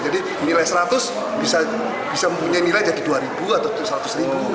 jadi nilai seratus bisa mempunyai nilai jadi dua atau seratus